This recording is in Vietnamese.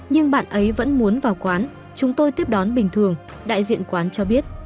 nhưng bạn ấy vẫn muốn vào quán chúng tôi tiếp đón bình thường đại diện quán cho biết